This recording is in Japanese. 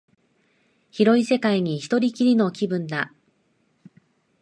広い世界に一人きりの気分だ